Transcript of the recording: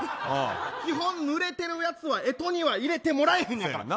基本ぬれてるやつは干支に入れてもらえへん。